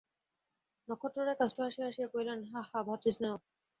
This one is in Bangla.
নক্ষত্ররায় কাষ্ঠহাসি হাসিয়া বলিলেন, হাঃ হাঃ, ভ্রাতৃস্নেহ!